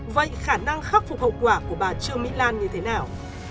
vậy khả năng khắc phục hậu quả của bà trương mỹ lan như thế nào